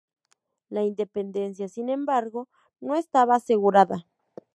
La independencia, sin embargo, no estaba asegurada.